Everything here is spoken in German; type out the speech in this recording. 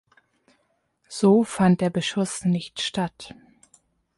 So fand der Beschuss nicht statt.